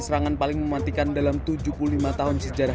serangan paling mematikan dalam tujuh puluh lima tahun sejarah